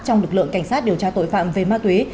trong lực lượng cảnh sát điều tra tội phạm về ma túy